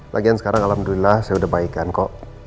lagian sekarang alhamdulillah saya udah baik kan kok